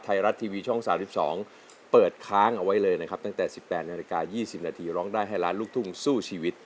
ไทยรัฐทีวีช่อง๓๒เปิดค้างเอาไว้เลยนะครับตั้งแต่๑๘นาฬิกา๒๐นาทีร้องได้ให้ล้านลูกทุ่งสู้ชีวิต